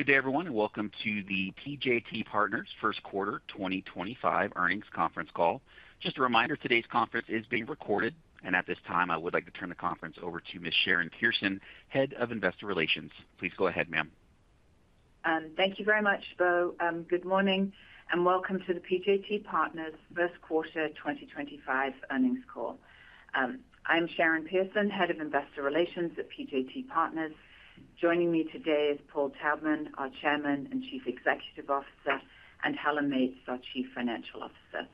Good day, everyone, and welcome to the PJT Partners First Quarter 2025 Earnings Conference Call. Just a reminder, today's conference is being recorded, and at this time, I would like to turn the conference over to Ms. Sharon Pearson, Head of Investor Relations. Please go ahead, ma'am. Thank you very much, Bo. Good morning and welcome to the PJT Partners First Quarter 2025 Earnings Call. I'm Sharon Pearson, Head of Investor Relations at PJT Partners. Joining me today is Paul Taubman, our Chairman and Chief Executive Officer, and Helen Meates, our Chief Financial Officer.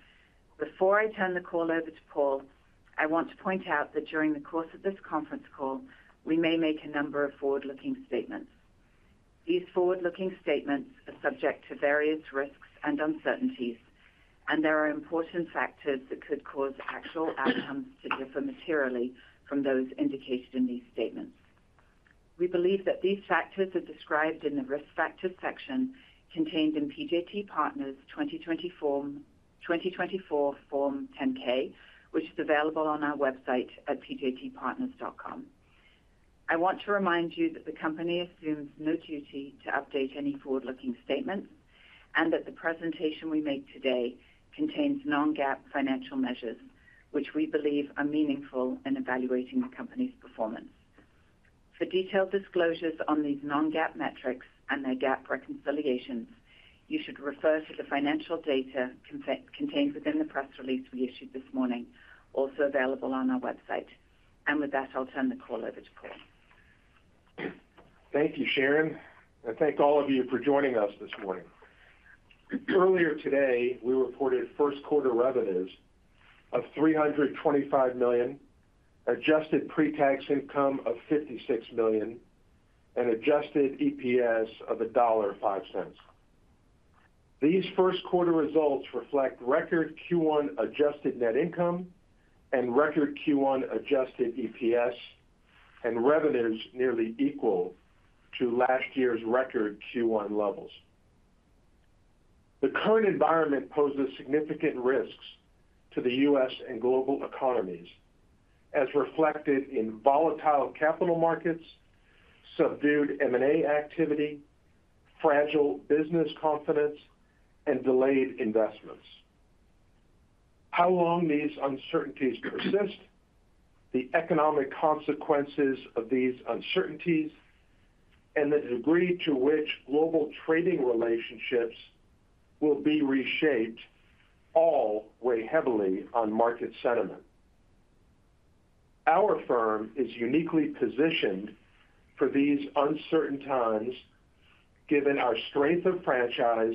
Before I turn the call over to Paul, I want to point out that during the course of this conference call, we may make a number of forward-looking statements. These forward-looking statements are subject to various risks and uncertainties, and there are important factors that could cause actual outcomes to differ materially from those indicated in these statements. We believe that these factors are described in the Risk Factors section contained in PJT Partners 2024 Form 10-K, which is available on our website at pjtpartners.com. I want to remind you that the company assumes no duty to update any forward-looking statements and that the presentation we make today contains non-GAAP financial measures, which we believe are meaningful in evaluating the company's performance. For detailed disclosures on these non-GAAP metrics and their GAAP reconciliations, you should refer to the financial data contained within the press release we issued this morning, also available on our website. With that, I'll turn the call over to Paul. Thank you, Sharon, and thank all of you for joining us this morning. Earlier today, we reported first quarter revenues of $325 million, adjusted pre-tax income of $56 million, and adjusted EPS of $1.05. These first quarter results reflect record Q1 adjusted net income and record Q1 adjusted EPS, and revenues nearly equal to last year's record Q1 levels. The current environment poses significant risks to the U.S. and global economies, as reflected in volatile capital markets, subdued M&A activity, fragile business confidence, and delayed investments. How long these uncertainties persist, the economic consequences of these uncertainties, and the degree to which global trading relationships will be reshaped all weigh heavily on market sentiment. Our firm is uniquely positioned for these uncertain times, given our strength of franchise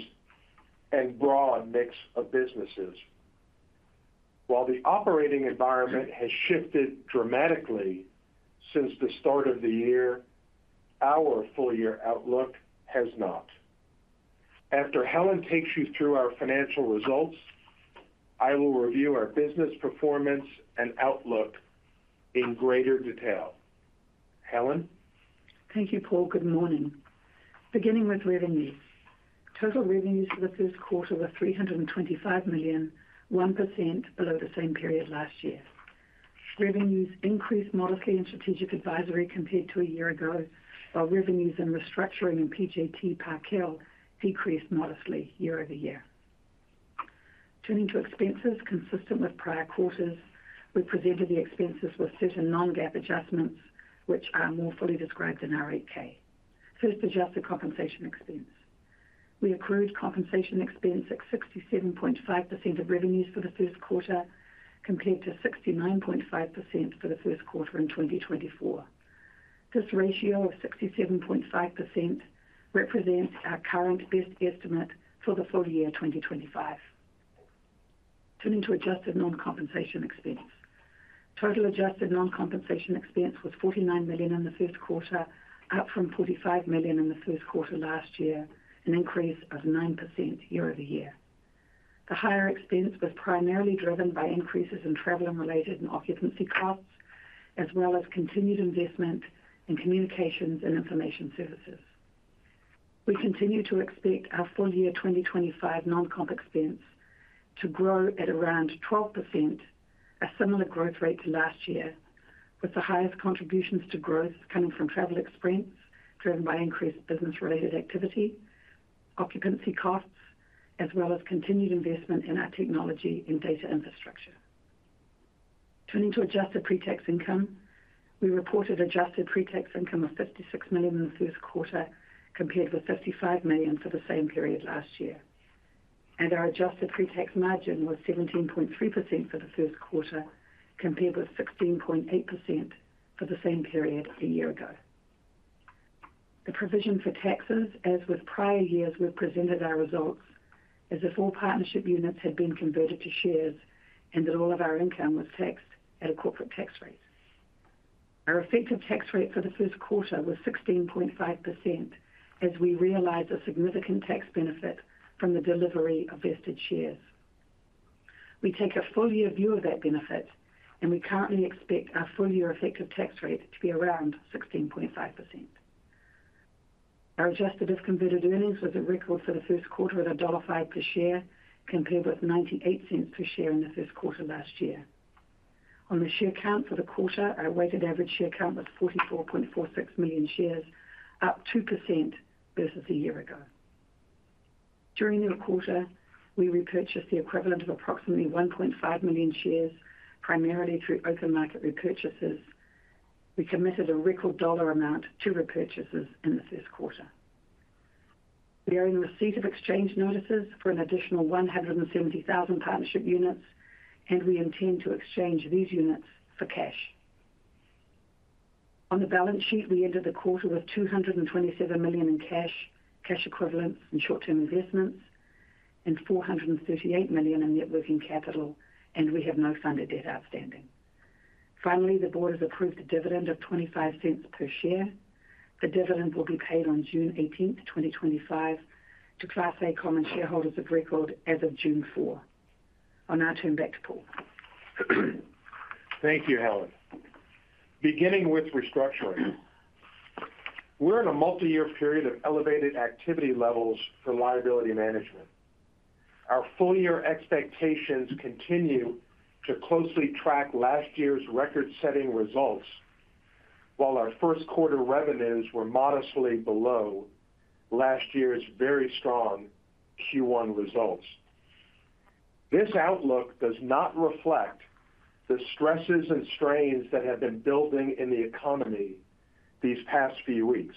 and broad mix of businesses. While the operating environment has shifted dramatically since the start of the year, our full-year outlook has not. After Helen takes you through our financial results, I will review our business performance and outlook in greater detail. Helen. Thank you, Paul. Good morning. Beginning with revenues, total revenues for the first quarter were $325 million, 1% below the same period last year. Revenues increased modestly in strategic advisory compared to a year ago, while revenues in restructuring and PJT Park Hill decreased modestly year-over-year. Turning to expenses, consistent with prior quarters, we presented the expenses with certain non-GAAP adjustments, which are more fully described in our 8-K. First, adjusted compensation expense. We accrued compensation expense at 67.5% of revenues for the first quarter compared to 69.5% for the first quarter in 2024. This ratio of 67.5% represents our current best estimate for the full year 2025. Turning to adjusted non-compensation expense, total adjusted non-compensation expense was $49 million in the first quarter, up from $45 million in the first quarter last year, an increase of 9% year-over-year. The higher expense was primarily driven by increases in travel-related and occupancy costs, as well as continued investment in communications and information services. We continue to expect our full year 2025 non-comp expense to grow at around 12%, a similar growth rate to last year, with the highest contributions to growth coming from travel expense driven by increased business-related activity, occupancy costs, as well as continued investment in our technology and data infrastructure. Turning to adjusted pre-tax income, we reported adjusted pre-tax income of $56 million in the first quarter compared with $55 million for the same period last year, and our adjusted pre-tax margin was 17.3% for the first quarter compared with 16.8% for the same period a year ago. The provision for taxes, as with prior years, we presented our results as if all partnership units had been converted to shares and that all of our income was taxed at a corporate tax rate. Our effective tax rate for the first quarter was 16.5%, as we realized a significant tax benefit from the delivery of vested shares. We take a full-year view of that benefit, and we currently expect our full-year effective tax rate to be around 16.5%. Our adjusted if-converted earnings was at record for the first quarter at $1.05 per share compared with $0.98 per share in the first quarter last year. On the share count for the quarter, our weighted average share count was 44.46 million shares, up 2% versus a year ago. During the quarter, we repurchased the equivalent of approximately 1.5 million shares, primarily through open market repurchases. We committed a record dollar amount to repurchases in the first quarter. We are in receipt of exchange notices for an additional 170,000 partnership units, and we intend to exchange these units for cash. On the balance sheet, we ended the quarter with $227 million in cash, cash equivalents and short-term investments, and $438 million in net working capital, and we have no funded debt outstanding. Finally, the board has approved a dividend of $0.25 per share. The dividend will be paid on June 18, 2025, to Class A common shareholders of record as of June 4. I'll now turn back to Paul. Thank you, Helen. Beginning with restructuring, we're in a multi-year period of elevated activity levels for liability management. Our full-year expectations continue to closely track last year's record-setting results, while our first quarter revenues were modestly below last year's very strong Q1 results. This outlook does not reflect the stresses and strains that have been building in the economy these past few weeks.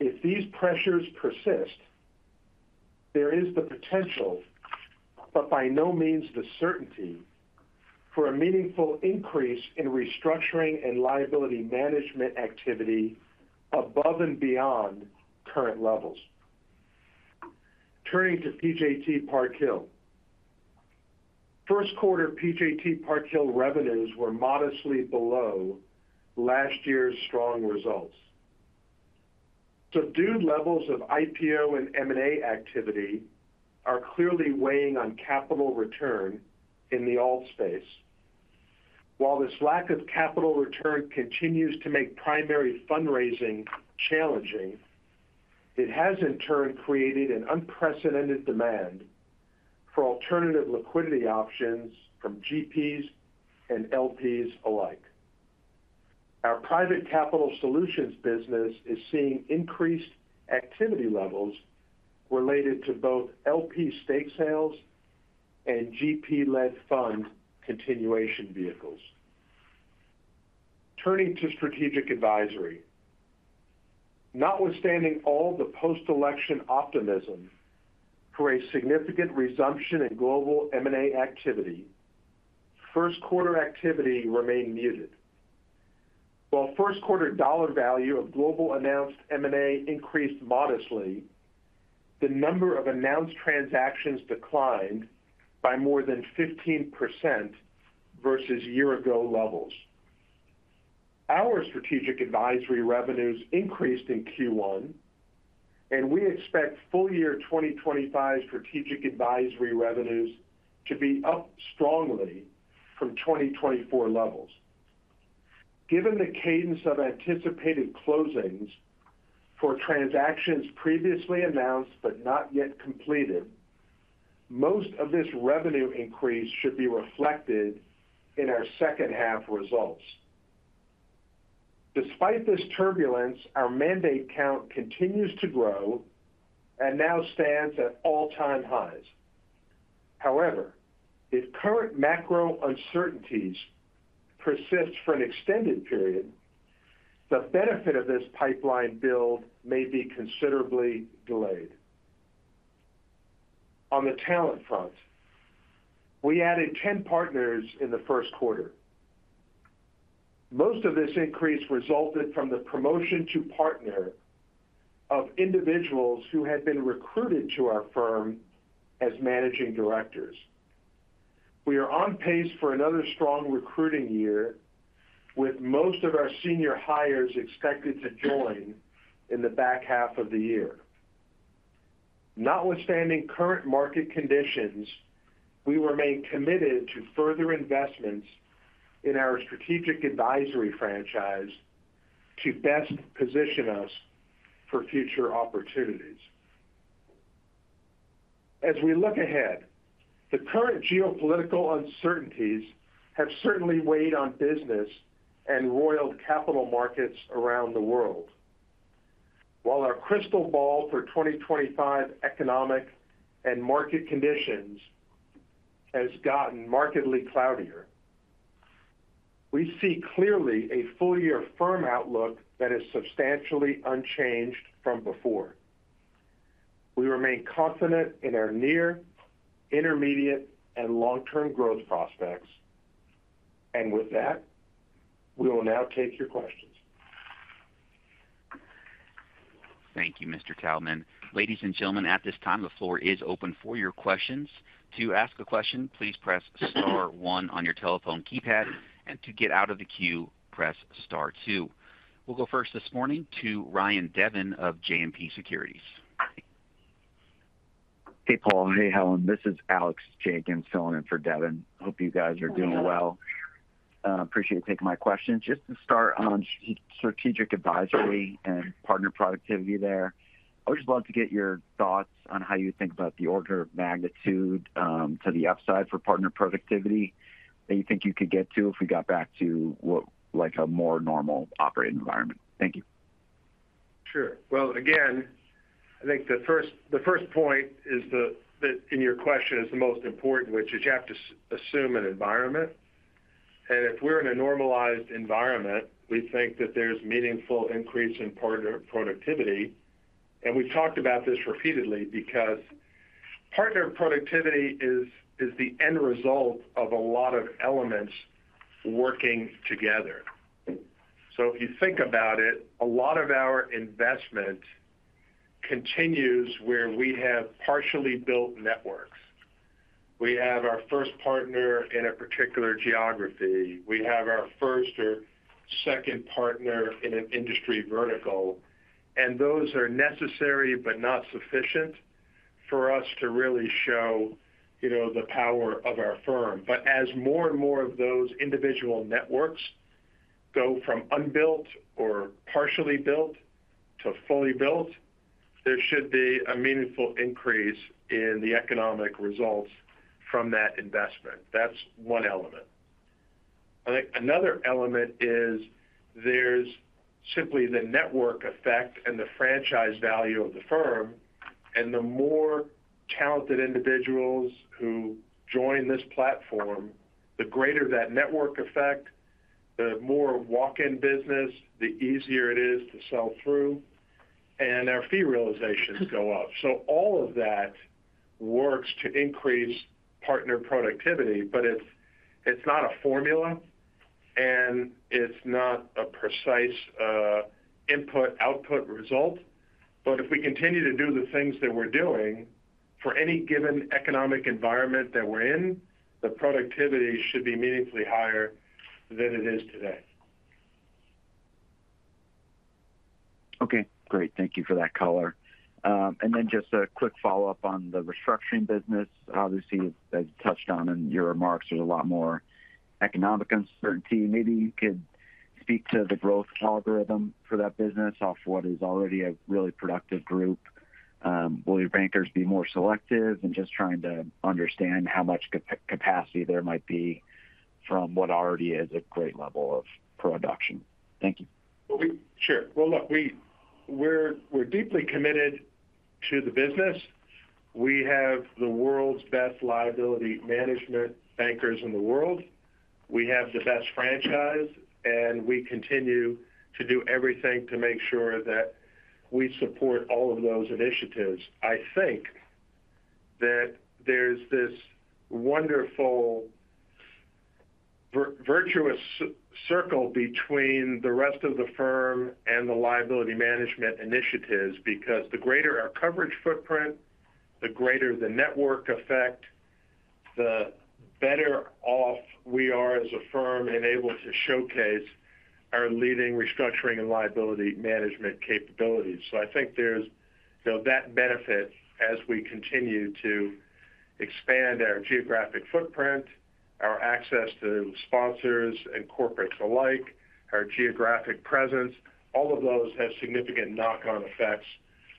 If these pressures persist, there is the potential, but by no means the certainty, for a meaningful increase in restructuring and liability management activity above and beyond current levels. Turning to PJT Park Hill, first quarter PJT Park Hill revenues were modestly below last year's strong results. Subdued levels of IPO and M&A activity are clearly weighing on capital return in the alt space. While this lack of capital return continues to make primary fundraising challenging, it has in turn created an unprecedented demand for alternative liquidity options from GPs and LPs alike. Our private capital solutions business is seeing increased activity levels related to both LP stake sales and GP-led fund continuation vehicles. Turning to strategic advisory, notwithstanding all the post-election optimism for a significant resumption in global M&A activity, first quarter activity remained muted. While first quarter dollar value of global announced M&A increased modestly, the number of announced transactions declined by more than 15% versus year-ago levels. Our strategic advisory revenues increased in Q1, and we expect full year 2025 strategic advisory revenues to be up strongly from 2024 levels. Given the cadence of anticipated closings for transactions previously announced but not yet completed, most of this revenue increase should be reflected in our second-half results. Despite this turbulence, our mandate count continues to grow and now stands at all-time highs. However, if current macro uncertainties persist for an extended period, the benefit of this pipeline build may be considerably delayed. On the talent front, we added 10 partners in the first quarter. Most of this increase resulted from the promotion to partner of individuals who had been recruited to our firm as managing directors. We are on pace for another strong recruiting year, with most of our senior hires expected to join in the back half of the year. Notwithstanding current market conditions, we remain committed to further investments in our strategic advisory franchise to best position us for future opportunities. As we look ahead, the current geopolitical uncertainties have certainly weighed on business and roiled capital markets around the world. While our crystal ball for 2025 economic and market conditions has gotten markedly cloudier, we see clearly a full-year firm outlook that is substantially unchanged from before. We remain confident in our near, intermediate, and long-term growth prospects, and with that, we will now take your questions. Thank you, Mr. Taubman. Ladies and gentlemen, at this time, the floor is open for your questions. To ask a question, please press star one on your telephone keypad, and to get out of the queue, press star two. We'll go first this morning to Ryan Devin of JMP Securities. Hey, Paul. Hey, Helen. This is Alex Jenkins, phoning in for Devin. Hope you guys are doing well. Appreciate you taking my question. Just to start on strategic advisory and partner productivity there, I would just love to get your thoughts on how you think about the order of magnitude to the upside for partner productivity that you think you could get to if we got back to a more normal operating environment. Thank you. Sure. Again, I think the first point in your question is the most important, which is you have to assume an environment. If we're in a normalized environment, we think that there's a meaningful increase in partner productivity. We've talked about this repeatedly because partner productivity is the end result of a lot of elements working together. If you think about it, a lot of our investment continues where we have partially built networks. We have our first partner in a particular geography. We have our first or second partner in an industry vertical. Those are necessary but not sufficient for us to really show the power of our firm. As more and more of those individual networks go from unbuilt or partially built to fully built, there should be a meaningful increase in the economic results from that investment. That's one element. I think another element is there's simply the network effect and the franchise value of the firm. The more talented individuals who join this platform, the greater that network effect, the more walk-in business, the easier it is to sell through, and our fee realizations go up. All of that works to increase partner productivity, but it's not a formula, and it's not a precise input-output result. If we continue to do the things that we're doing for any given economic environment that we're in, the productivity should be meaningfully higher than it is today. Okay. Great. Thank you for that color. Just a quick follow-up on the restructuring business. Obviously, as you touched on in your remarks, there's a lot more economic uncertainty. Maybe you could speak to the growth algorithm for that business off what is already a really productive group. Will your bankers be more selective in just trying to understand how much capacity there might be from what already is a great level of production? Thank you. Sure. Look, we're deeply committed to the business. We have the world's best liability management bankers in the world. We have the best franchise, and we continue to do everything to make sure that we support all of those initiatives. I think that there's this wonderful virtuous circle between the rest of the firm and the liability management initiatives because the greater our coverage footprint, the greater the network effect, the better off we are as a firm and able to showcase our leading restructuring and liability management capabilities. I think there's that benefit as we continue to expand our geographic footprint, our access to sponsors and corporates alike, our geographic presence. All of those have significant knock-on effects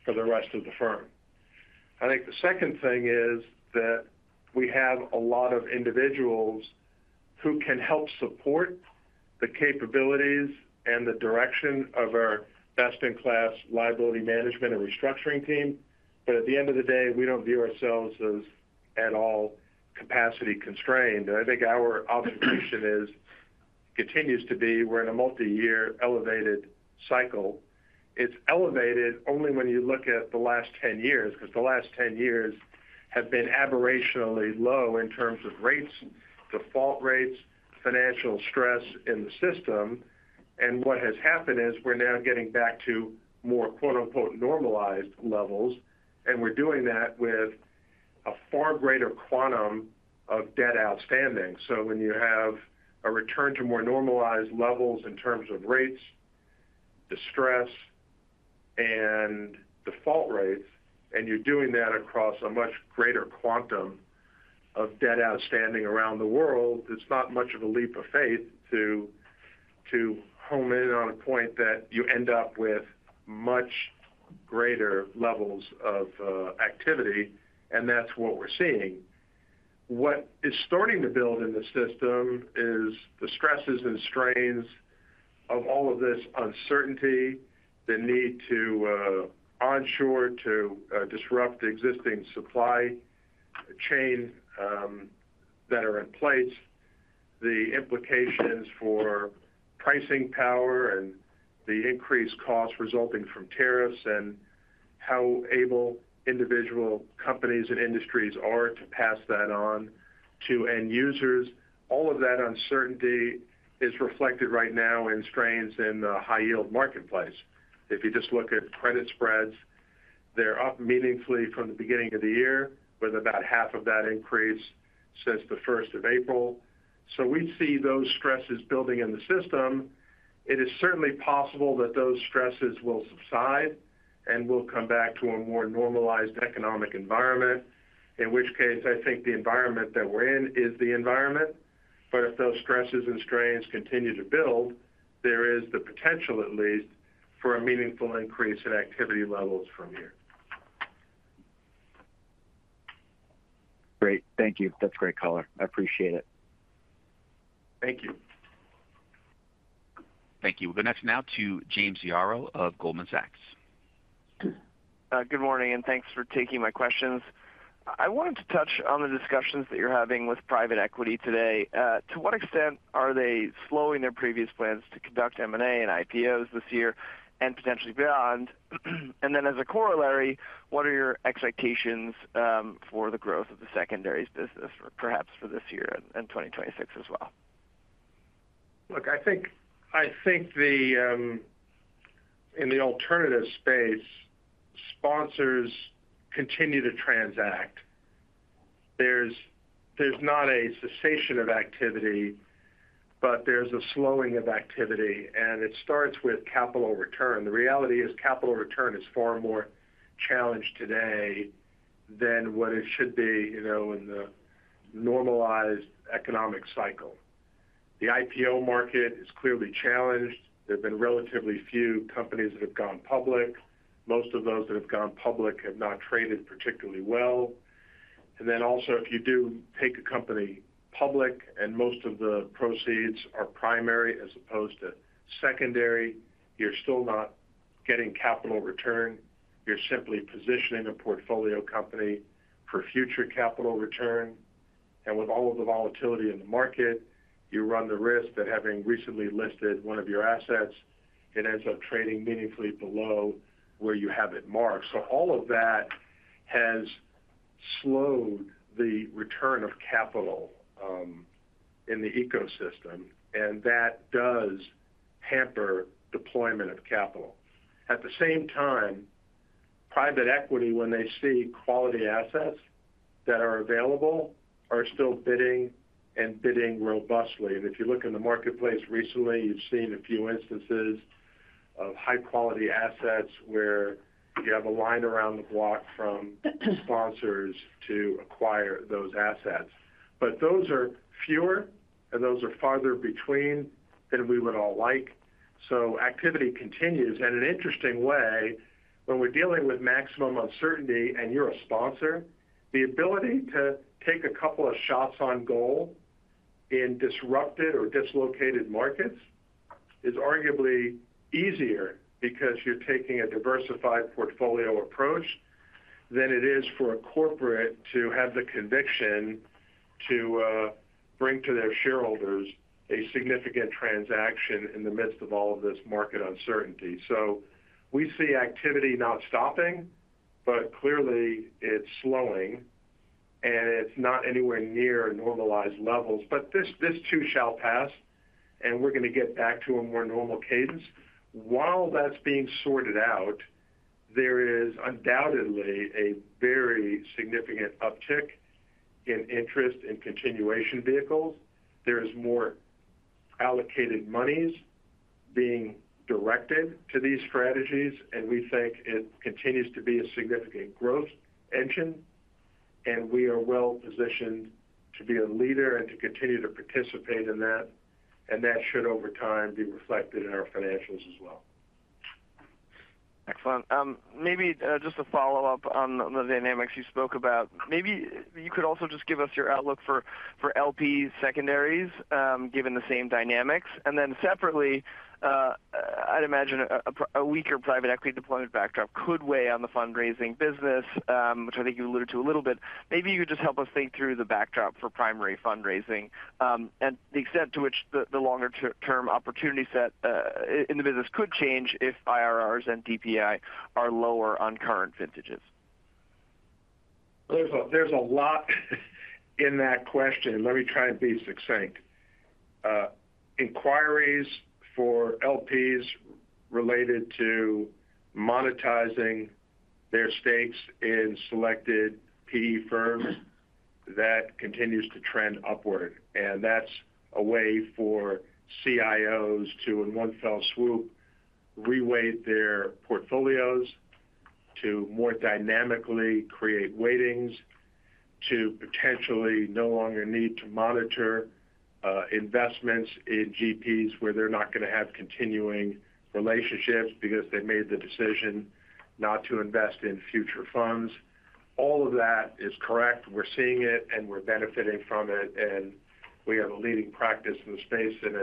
for the rest of the firm. I think the second thing is that we have a lot of individuals who can help support the capabilities and the direction of our best-in-class liability management and restructuring team. At the end of the day, we do not view ourselves as at all capacity constrained. I think our observation continues to be we are in a multi-year elevated cycle. It is elevated only when you look at the last 10 years because the last 10 years have been aberrationally low in terms of rates, default rates, financial stress in the system. What has happened is we are now getting back to more "normalized" levels, and we are doing that with a far greater quantum of debt outstanding. When you have a return to more normalized levels in terms of rates, distress, and default rates, and you're doing that across a much greater quantum of debt outstanding around the world, it's not much of a leap of faith to hone in on a point that you end up with much greater levels of activity, and that's what we're seeing. What is starting to build in the system is the stresses and strains of all of this uncertainty, the need to onshore to disrupt existing supply chains that are in place, the implications for pricing power and the increased costs resulting from tariffs, and how able individual companies and industries are to pass that on to end users. All of that uncertainty is reflected right now in strains in the high-yield marketplace. If you just look at credit spreads, they're up meaningfully from the beginning of the year with about half of that increase since the 1st of April. We see those stresses building in the system. It is certainly possible that those stresses will subside and we'll come back to a more normalized economic environment, in which case I think the environment that we're in is the environment. If those stresses and strains continue to build, there is the potential at least for a meaningful increase in activity levels from here. Great. Thank you. That's great color. I appreciate it. Thank you. Thank you. We'll go next now to James Yaro of Goldman Sachs. Good morning, and thanks for taking my questions. I wanted to touch on the discussions that you're having with private equity today. To what extent are they slowing their previous plans to conduct M&A and IPOs this year and potentially beyond? As a corollary, what are your expectations for the growth of the secondaries business, perhaps for this year and 2026 as well? Look, I think in the alternative space, sponsors continue to transact. There's not a cessation of activity, but there's a slowing of activity, and it starts with capital return. The reality is capital return is far more challenged today than what it should be in the normalized economic cycle. The IPO market is clearly challenged. There have been relatively few companies that have gone public. Most of those that have gone public have not traded particularly well. Also, if you do take a company public and most of the proceeds are primary as opposed to secondary, you're still not getting capital return. You're simply positioning a portfolio company for future capital return. With all of the volatility in the market, you run the risk that having recently listed one of your assets, it ends up trading meaningfully below where you have it marked. All of that has slowed the return of capital in the ecosystem, and that does hamper deployment of capital. At the same time, private equity, when they see quality assets that are available, are still bidding and bidding robustly. If you look in the marketplace recently, you've seen a few instances of high-quality assets where you have a line around the block from sponsors to acquire those assets. Those are fewer, and those are farther between than we would all like. Activity continues. In an interesting way, when we're dealing with maximum uncertainty and you're a sponsor, the ability to take a couple of shots on goal in disrupted or dislocated markets is arguably easier because you're taking a diversified portfolio approach than it is for a corporate to have the conviction to bring to their shareholders a significant transaction in the midst of all of this market uncertainty. We see activity not stopping, but clearly it's slowing, and it's not anywhere near normalized levels. This too shall pass, and we're going to get back to a more normal cadence. While that's being sorted out, there is undoubtedly a very significant uptick in interest in continuation vehicles. There are more allocated monies being directed to these strategies, and we think it continues to be a significant growth engine, and we are well positioned to be a leader and to continue to participate in that. That should, over time, be reflected in our financials as well. Excellent. Maybe just a follow-up on the dynamics you spoke about. Maybe you could also just give us your outlook for LP secondaries given the same dynamics. Then separately, I'd imagine a weaker private equity deployment backdrop could weigh on the fundraising business, which I think you alluded to a little bit. Maybe you could just help us think through the backdrop for primary fundraising and the extent to which the longer-term opportunity set in the business could change if IRRs and DPI are lower on current vintages. There's a lot in that question. Let me try and be succinct. Inquiries for LPs related to monetizing their stakes in selected PE firms, that continues to trend upward. That's a way for CIOs to, in one fell swoop, reweight their portfolios to more dynamically create weightings to potentially no longer need to monitor investments in GPs where they're not going to have continuing relationships because they made the decision not to invest in future funds. All of that is correct. We're seeing it, and we're benefiting from it. We have a leading practice in the space, and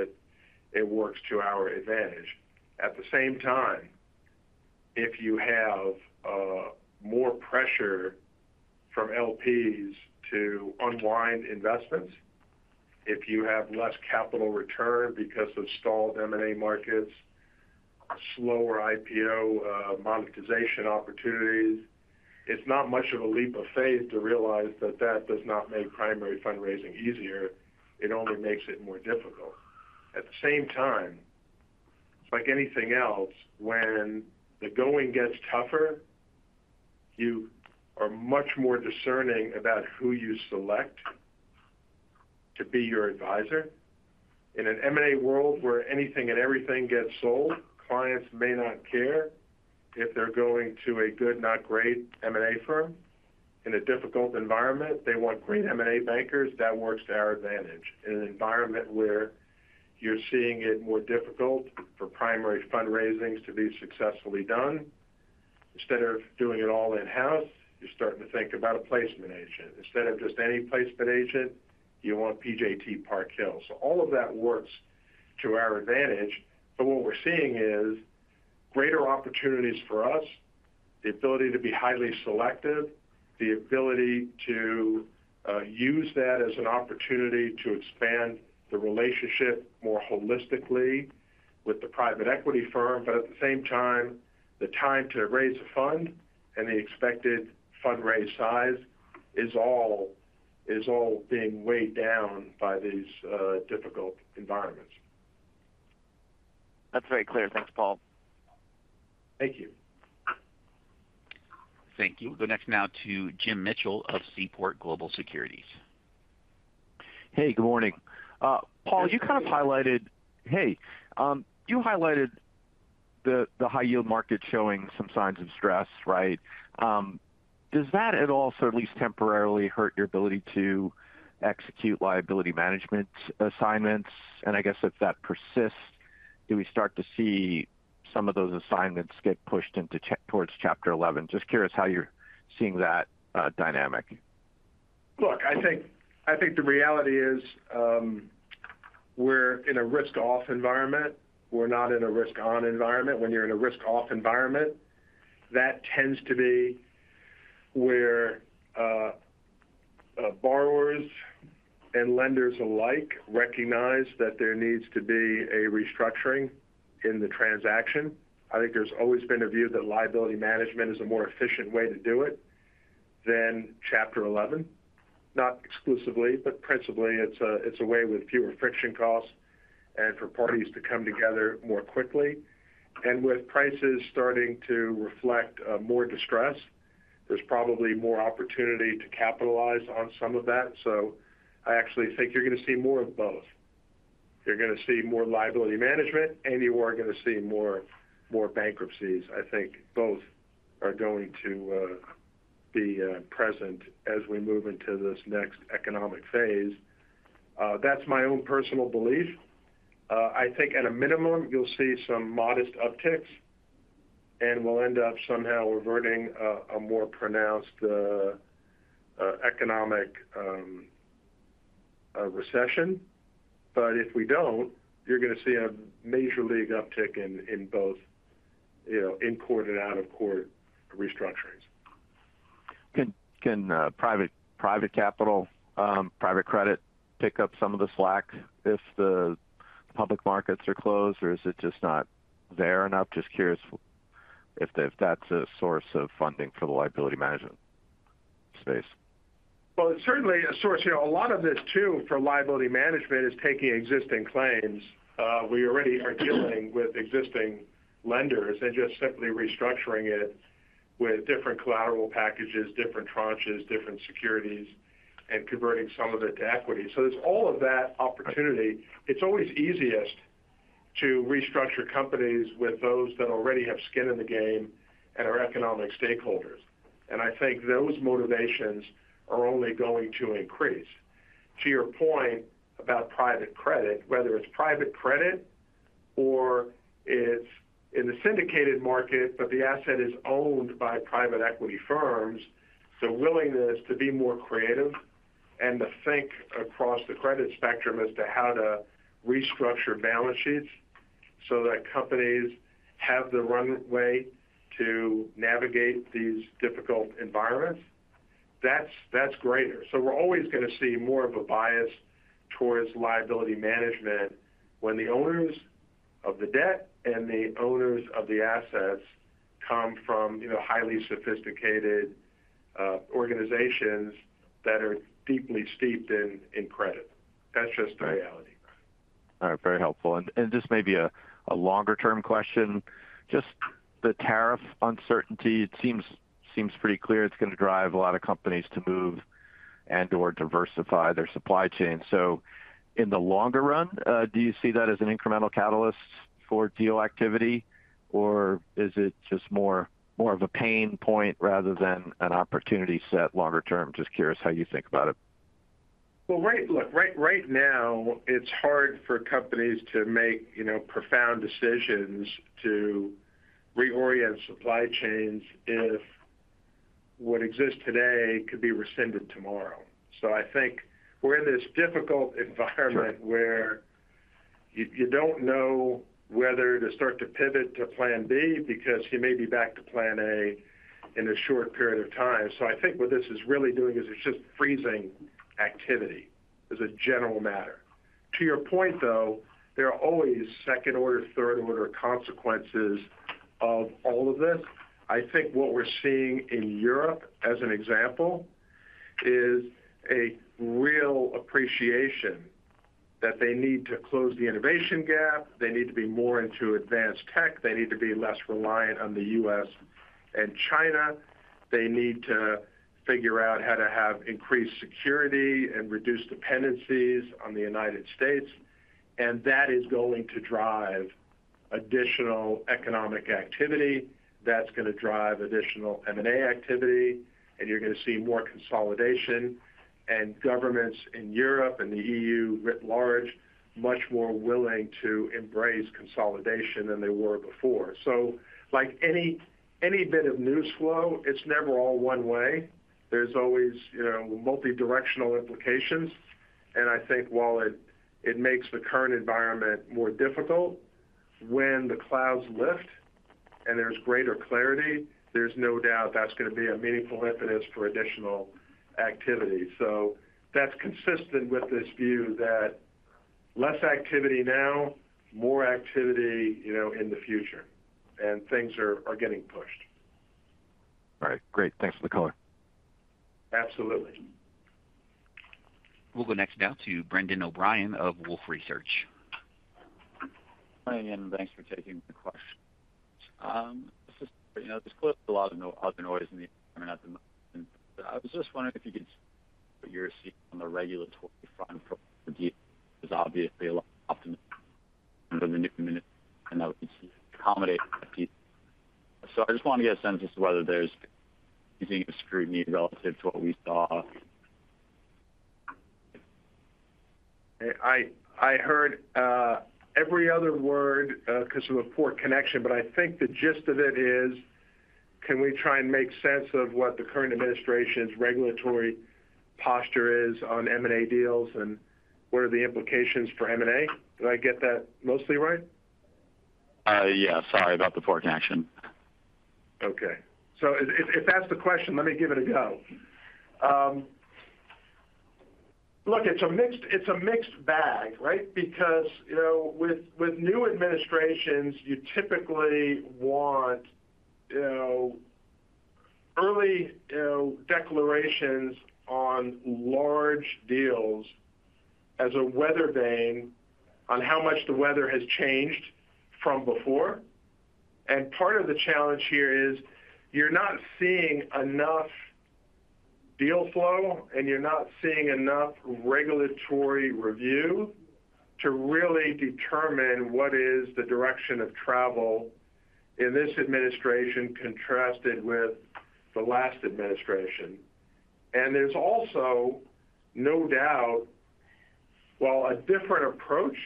it works to our advantage. At the same time, if you have more pressure from LPs to unwind investments, if you have less capital return because of stalled M&A markets, slower IPO monetization opportunities, it's not much of a leap of faith to realize that that does not make primary fundraising easier. It only makes it more difficult. At the same time, it's like anything else. When the going gets tougher, you are much more discerning about who you select to be your advisor. In an M&A world where anything and everything gets sold, clients may not care if they're going to a good, not great M&A firm. In a difficult environment, they want great M&A bankers. That works to our advantage. In an environment where you're seeing it more difficult for primary fundraisings to be successfully done, instead of doing it all in-house, you're starting to think about a placement agent. Instead of just any placement agent, you want PJT Park Hill. All of that works to our advantage. What we're seeing is greater opportunities for us, the ability to be highly selective, the ability to use that as an opportunity to expand the relationship more holistically with the private equity firm. At the same time, the time to raise a fund and the expected fundraise size is all being weighed down by these difficult environments. That's very clear. Thanks, Paul. Thank you. Thank you. We'll go next now to Jim Mitchell of Seaport Global Securities. Hey, good morning. Paul, you kind of highlighted, you highlighted the high-yield market showing some signs of stress, right? Does that at all, at least temporarily, hurt your ability to execute liability management assignments? I guess if that persists, do we start to see some of those assignments get pushed towards Chapter 11? Just curious how you're seeing that dynamic. Look, I think the reality is we're in a risk-off environment. We're not in a risk-on environment. When you're in a risk-off environment, that tends to be where borrowers and lenders alike recognize that there needs to be a restructuring in the transaction. I think there's always been a view that liability management is a more efficient way to do it than Chapter 11. Not exclusively, but principally, it's a way with fewer friction costs and for parties to come together more quickly. With prices starting to reflect more distress, there's probably more opportunity to capitalize on some of that. I actually think you're going to see more of both. You're going to see more liability management, and you are going to see more bankruptcies. I think both are going to be present as we move into this next economic phase. That's my own personal belief. I think at a minimum, you'll see some modest upticks, and we'll end up somehow averting a more pronounced economic recession. If we don't, you're going to see a major league uptick in both in-court and out-of-court restructurings. Can private capital, private credit pick up some of the slack if the public markets are closed, or is it just not there enough? Just curious if that's a source of funding for the liability management space. It is certainly a source. A lot of it too for liability management is taking existing claims. We already are dealing with existing lenders and just simply restructuring it with different collateral packages, different tranches, different securities, and converting some of it to equity. There is all of that opportunity. It is always easiest to restructure companies with those that already have skin in the game and are economic stakeholders. I think those motivations are only going to increase. To your point about private credit, whether it is private credit or it is in the syndicated market, but the asset is owned by private equity firms, the willingness to be more creative and to think across the credit spectrum as to how to restructure balance sheets so that companies have the runway to navigate these difficult environments, that is greater. We're always going to see more of a bias towards liability management when the owners of the debt and the owners of the assets come from highly sophisticated organizations that are deeply steeped in credit. That's just the reality. All right. Very helpful. This may be a longer-term question. Just the tariff uncertainty, it seems pretty clear it's going to drive a lot of companies to move and/or diversify their supply chain. In the longer run, do you see that as an incremental catalyst for deal activity, or is it just more of a pain point rather than an opportunity set longer term? Just curious how you think about it. Right now, it's hard for companies to make profound decisions to reorient supply chains if what exists today could be rescinded tomorrow. I think we're in this difficult environment where you don't know whether to start to pivot to Plan B because you may be back to Plan A in a short period of time. I think what this is really doing is it's just freezing activity as a general matter. To your point, though, there are always second-order, third-order consequences of all of this. I think what we're seeing in Europe, as an example, is a real appreciation that they need to close the innovation gap. They need to be more into advanced tech. They need to be less reliant on the U.S. and China. They need to figure out how to have increased security and reduce dependencies on the United States. That is going to drive additional economic activity. That is going to drive additional M&A activity. You are going to see more consolidation. Governments in Europe and the EU writ large are much more willing to embrace consolidation than they were before. Like any bit of news flow, it is never all one way. There are always multidirectional implications. I think while it makes the current environment more difficult, when the clouds lift and there is greater clarity, there is no doubt that is going to be a meaningful impetus for additional activity. That is consistent with this view that there is less activity now, more activity in the future. Things are getting pushed. All right. Great. Thanks for the color. Absolutely. We'll go next now to Brendan O'Brien of Wolfe Research. Hi, and thanks for taking the question. There is clearly a lot of noise in the environment at the moment. I was just wondering if you could say what you're seeing on the regulatory front for deals. There is obviously a lot of optimism for the new administration, and that would be accommodating that piece. I just want to get a sense as to whether there is anything of scrutiny relative to what we saw. I heard every other word because of a poor connection, but I think the gist of it is, can we try and make sense of what the current administration's regulatory posture is on M&A deals and what are the implications for M&A? Did I get that mostly right? Yeah. Sorry about the poor connection. Okay. If that's the question, let me give it a go. Look, it's a mixed bag, right? Because with new administrations, you typically want early declarations on large deals as a weather vane on how much the weather has changed from before. Part of the challenge here is you're not seeing enough deal flow, and you're not seeing enough regulatory review to really determine what is the direction of travel in this administration contrasted with the last administration. There's also no doubt, while a different approach,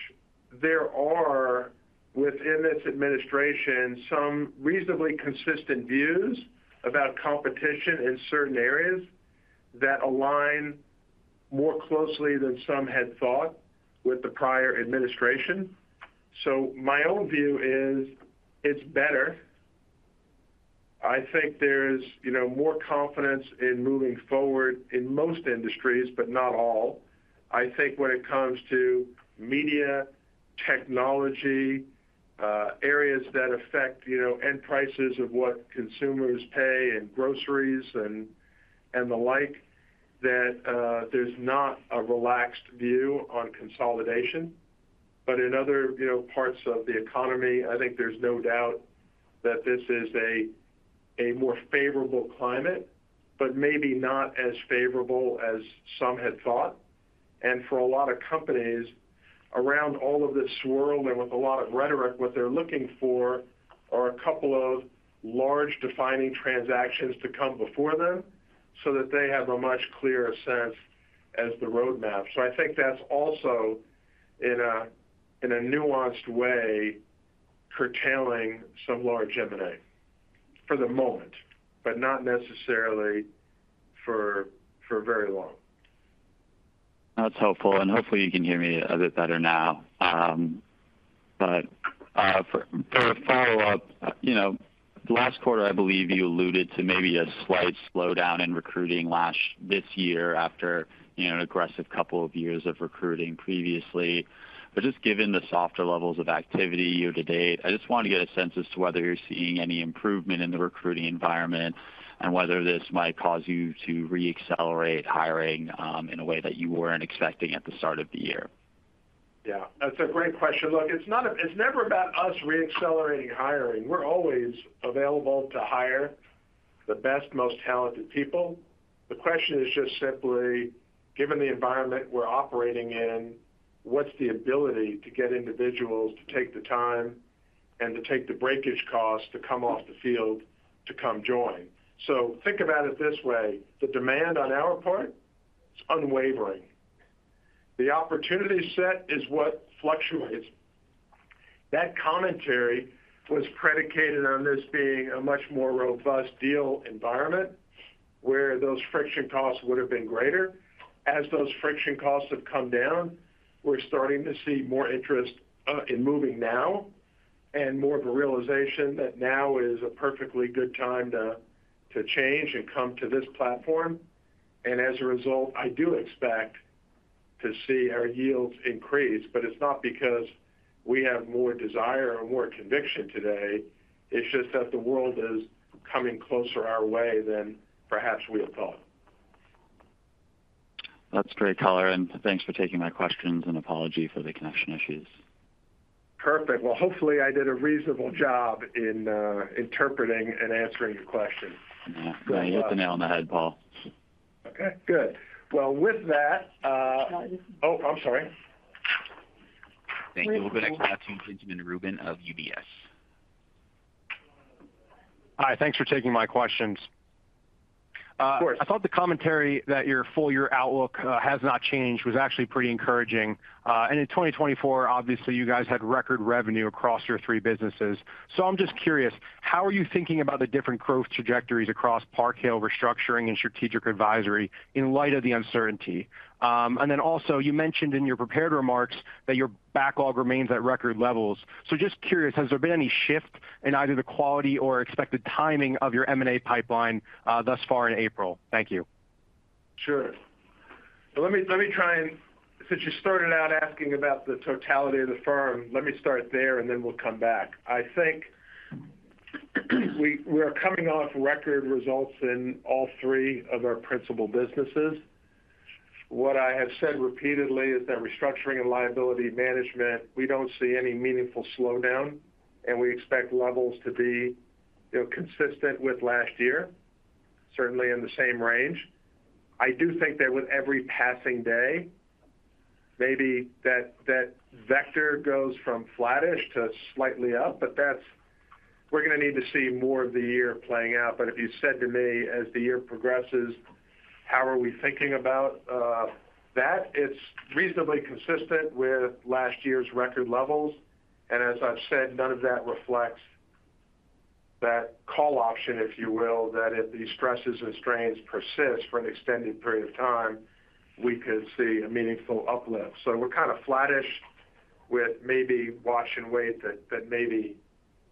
there are within this administration some reasonably consistent views about competition in certain areas that align more closely than some had thought with the prior administration. My own view is it's better. I think there's more confidence in moving forward in most industries, but not all. I think when it comes to media, technology, areas that affect end prices of what consumers pay and groceries and the like, that there's not a relaxed view on consolidation. In other parts of the economy, I think there's no doubt that this is a more favorable climate, but maybe not as favorable as some had thought. For a lot of companies around all of this swirl and with a lot of rhetoric, what they're looking for are a couple of large defining transactions to come before them so that they have a much clearer sense as the roadmap. I think that's also in a nuanced way curtailing some large M&A for the moment, but not necessarily for very long. That's helpful. Hopefully, you can hear me a bit better now. For a follow-up, last quarter, I believe you alluded to maybe a slight slowdown in recruiting this year after an aggressive couple of years of recruiting previously. Just given the softer levels of activity year to date, I just wanted to get a sense as to whether you're seeing any improvement in the recruiting environment and whether this might cause you to re-accelerate hiring in a way that you weren't expecting at the start of the year. Yeah. That's a great question. Look, it's never about us re-accelerating hiring. We're always available to hire the best, most talented people. The question is just simply, given the environment we're operating in, what's the ability to get individuals to take the time and to take the breakage cost to come off the field to come join? Think about it this way. The demand on our part is unwavering. The opportunity set is what fluctuates. That commentary was predicated on this being a much more robust deal environment where those friction costs would have been greater. As those friction costs have come down, we're starting to see more interest in moving now and more of a realization that now is a perfectly good time to change and come to this platform. As a result, I do expect to see our yields increase, but it's not because we have more desire or more conviction today. It's just that the world is coming closer our way than perhaps we had thought. That's great color. Thanks for taking my questions and apology for the connection issues. Perfect. Hopefully, I did a reasonable job in interpreting and answering your question. Yeah. You hit the nail on the head, Paul. Okay. Good. With that. Oh, I'm sorry. Thank you. We'll go next, Benjamin Rubin of UBS. Hi. Thanks for taking my questions. I thought the commentary that your full year outlook has not changed was actually pretty encouraging. In 2024, obviously, you guys had record revenue across your three businesses. I'm just curious, how are you thinking about the different growth trajectories across Park Hill, restructuring, and strategic advisory in light of the uncertainty? You mentioned in your prepared remarks that your backlog remains at record levels. Just curious, has there been any shift in either the quality or expected timing of your M&A pipeline thus far in April? Thank you. Sure. Let me try and since you started out asking about the totality of the firm, let me start there and then we'll come back. I think we are coming off record results in all three of our principal businesses. What I have said repeatedly is that restructuring and liability management, we do not see any meaningful slowdown, and we expect levels to be consistent with last year, certainly in the same range. I do think that with every passing day, maybe that vector goes from flattish to slightly up, but we are going to need to see more of the year playing out. If you said to me, as the year progresses, how are we thinking about that? It is reasonably consistent with last year's record levels. As I have said, none of that reflects that call option, if you will, that if these stresses and strains persist for an extended period of time, we could see a meaningful uplift. We are kind of flattish with maybe watch and wait that maybe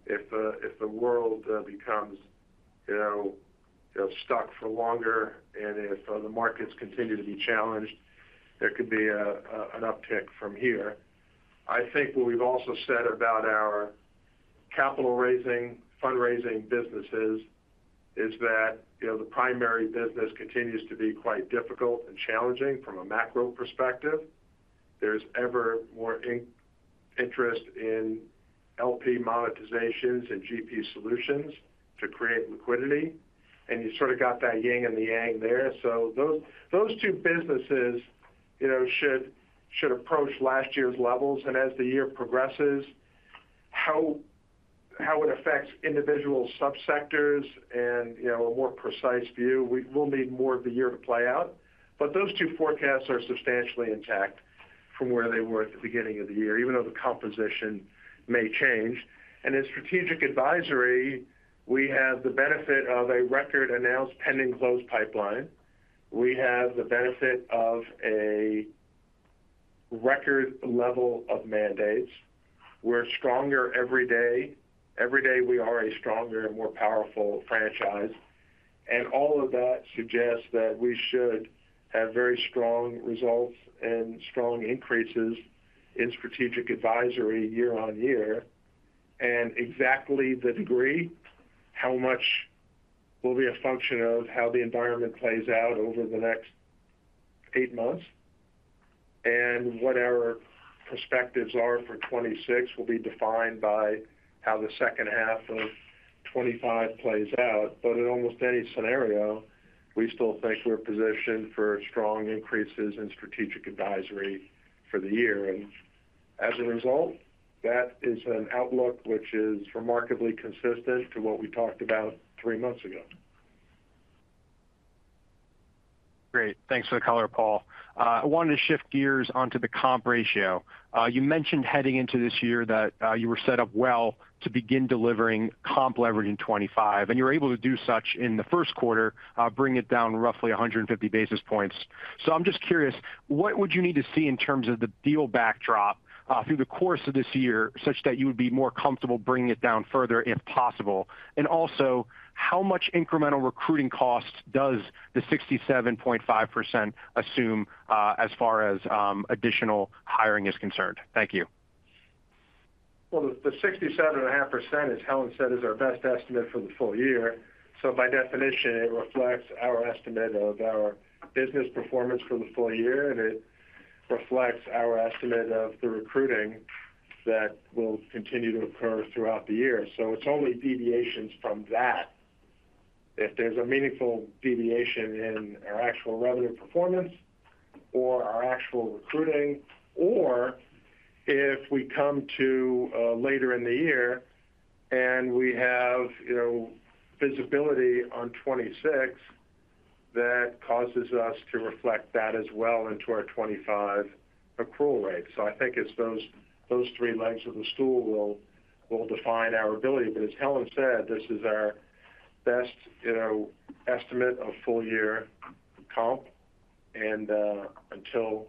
if the world becomes stuck for longer and if the markets continue to be challenged, there could be an uptick from here. I think what we have also said about our capital raising, fundraising businesses is that the primary business continues to be quite difficult and challenging from a macro perspective. There is ever more interest in LP monetization and GP solutions to create liquidity. You sort of have that yin and the yang there. Those two businesses should approach last year's levels. As the year progresses, how it affects individual subsectors and a more precise view, we'll need more of the year to play out. Those two forecasts are substantially intact from where they were at the beginning of the year, even though the composition may change. In strategic advisory, we have the benefit of a record announced pending close pipeline. We have the benefit of a record level of mandates. We're stronger every day. Every day, we are a stronger and more powerful franchise. All of that suggests that we should have very strong results and strong increases in strategic advisory year on year. Exactly the degree, how much, will be a function of how the environment plays out over the next eight months. What our perspectives are for 2026 will be defined by how the second half of 2025 plays out. In almost any scenario, we still think we're positioned for strong increases in strategic advisory for the year. As a result, that is an outlook which is remarkably consistent to what we talked about three months ago. Great. Thanks for the color, Paul. I wanted to shift gears onto the comp ratio. You mentioned heading into this year that you were set up well to begin delivering comp leverage in 2025. You were able to do such in the first quarter, bringing it down roughly 150 basis points. I am just curious, what would you need to see in terms of the deal backdrop through the course of this year such that you would be more comfortable bringing it down further if possible? Also, how much incremental recruiting cost does the 67.5% assume as far as additional hiring is concerned? Thank you. The 67.5%, as Helen said, is our best estimate for the full year. By definition, it reflects our estimate of our business performance for the full year. It reflects our estimate of the recruiting that will continue to occur throughout the year. It is only deviations from that. If there is a meaningful deviation in our actual revenue performance or our actual recruiting, or if we come to later in the year and we have visibility on 2026, that causes us to reflect that as well into our 2025 accrual rate. I think it is those three legs of the stool that will define our ability. As Helen said, this is our best estimate of full year comp. Until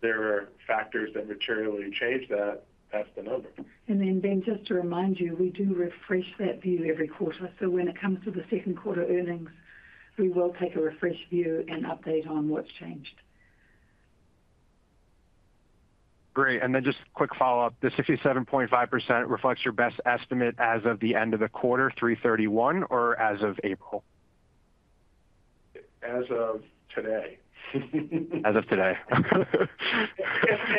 there are factors that materially change that, that is the number. Ben, just to remind you, we do refresh that view every quarter. When it comes to the second quarter earnings, we will take a refreshed view and update on what's changed. Great. Just quick follow-up. The 67.5% reflects your best estimate as of the end of the quarter, 03/31, or as of April? As of today. As of today. All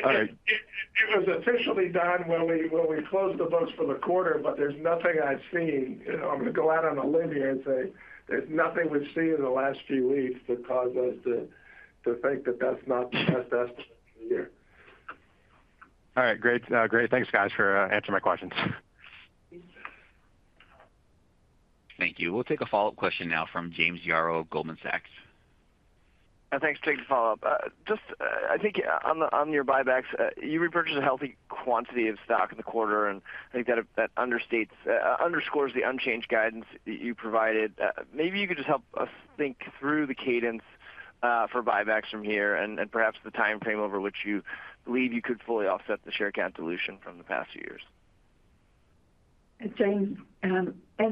right. It was officially done when we closed the books for the quarter, but there's nothing I've seen. I'm going to go out on a limb here and say there's nothing we've seen in the last few weeks that caused us to think that that's not the best estimate for the year. All right. Great. Great. Thanks, guys, for answering my questions. Thank you. We'll take a follow-up question now from James Yaro, Goldman Sachs. Thanks. Take the follow-up. Just I think on your buybacks, you repurchased a healthy quantity of stock in the quarter. I think that underscores the unchanged guidance you provided. Maybe you could just help us think through the cadence for buybacks from here and perhaps the time frame over which you believe you could fully offset the share count dilution from the past few years. James, as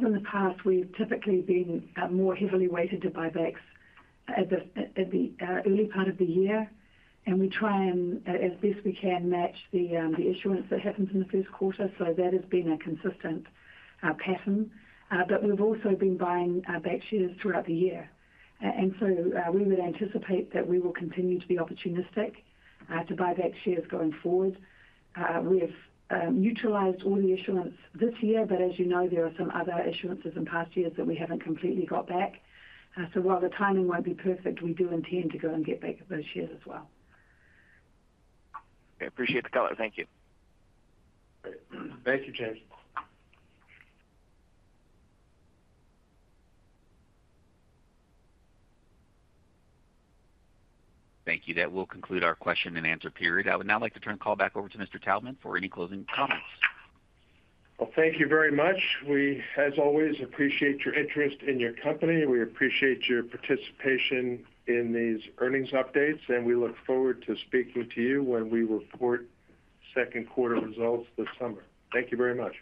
in the past, we've typically been more heavily weighted to buybacks at the early part of the year. We try and, as best we can, match the issuance that happens in the first quarter. That has been a consistent pattern. We've also been buying back shares throughout the year. We would anticipate that we will continue to be opportunistic to buy back shares going forward. We've neutralized all the issuance this year, but as you know, there are some other issuances in past years that we haven't completely got back. While the timing won't be perfect, we do intend to go and get back at those shares as well. Okay. Appreciate the color. Thank you. Thank you, James. Thank you. That will conclude our question and answer period. I would now like to turn the call back over to Mr. Taubman for any closing comments. Thank you very much. We, as always, appreciate your interest in your company. We appreciate your participation in these earnings updates. We look forward to speaking to you when we report second quarter results this summer. Thank you very much.